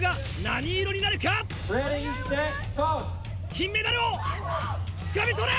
・金メダルをつかみ取れ！